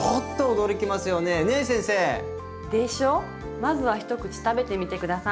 まずは一口食べてみて下さい。